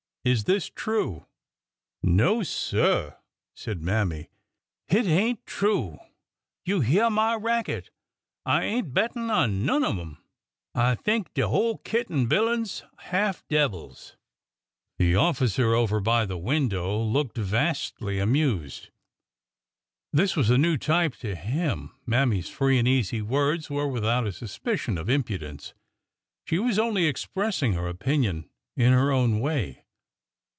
Is this true?" No, sir !" said Mammy ; hit ain't true ! You hyeah my racket, I ain't bettin' on none of 'em. I think de whole kit an' bilin' 's half devils !" The officer over by the window looked vastly amused. This was a new type to him. Mammy's free and easy words were without a suspicion of impudence. She was only expressing her opinion in her own way.